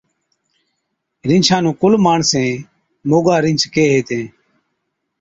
رِينڇا نُون ڪُل ماڻسين موڳا رِينڇ ڪيهي هِتين۔